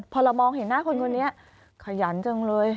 พอเรามองเห็นหน้าคนคนนี้ขยันจังเลย